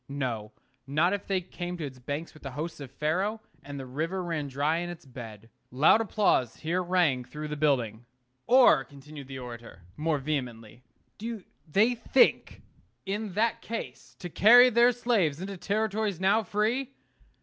No: not if they came to its banks with the hosts of Pharaoh, and the river ran dry in its bed. Loud applause here rang through the building. Or, continued the orator, more vehemently, do they think, in that case, to carry their slaves into territories now free?